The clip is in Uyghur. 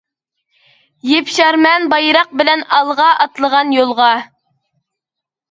يېپىشارمەن بايراق بىلەن ئالغا ئاتلىغان يولغا.